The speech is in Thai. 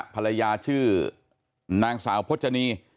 ภรรยาชื่อนางสาวพจนี